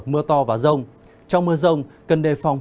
mưa to và rông trong mưa rông cần đề phòng